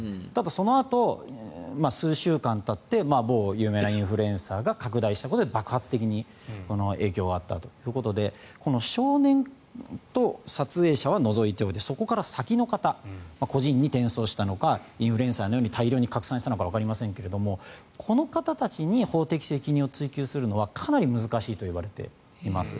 そのあと数週間たって某有名なインフルエンサーが拡大したことで爆発的に影響があったということでこの少年と撮影者は除いておいてそこから先の方個人に転送したのかインフルエンサーのように大量に拡散したのかわかりませんがこの方たちに法的責任を追及するのはかなり難しいといわれています。